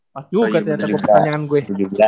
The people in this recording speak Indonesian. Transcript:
pas juga ternyata pertanyaan gue